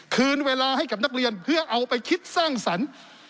คืนเวลาให้กับนักเรียนเพื่อเอาไปคิดสร้างสรรค์